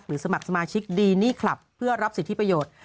สมัครสมาชิกดีนี่คลับเพื่อรับสิทธิประโยชน์